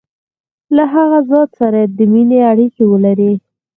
له هغه ذات سره د مینې اړیکي ولري.